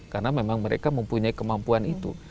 karena memang mereka mempunyai kemampuan itu